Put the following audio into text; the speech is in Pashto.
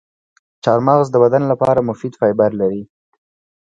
چارمغز د بدن لپاره مفید فایبر لري.